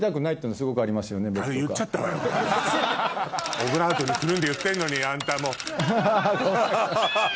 オブラートにくるんで言ってんのにあんたもう。